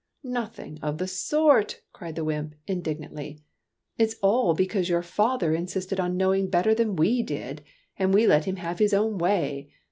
" Nothing of the sort !" cried the wymp, indignantly. " It is all because your father insisted on knowing better than we did, and we let him have his own way.